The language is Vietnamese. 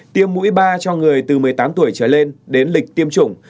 tiêm mũi ba cho người từ một mươi tám tuổi trở lên đến lịch tiêm chủng